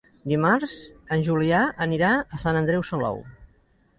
Dimarts en Julià anirà a Sant Andreu Salou.